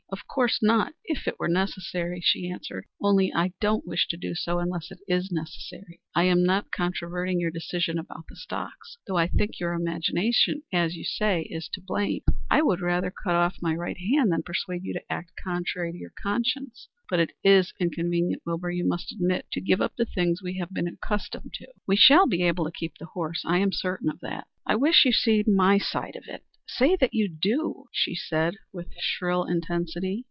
"Of course not, if it were necessary," she answered. "Only I don't wish to do so unless it is necessary. I am not controverting your decision about the stocks, though I think your imagination, as you say, is to blame. I would rather cut my right hand off than persuade you to act contrary to your conscience. But it is inconvenient, Wilbur, you must admit, to give up the things we have become accustomed to." "We shall be able to keep the horse. I am certain of that." "I wish you to see my side of it. Say that you do," she said, with shrill intensity.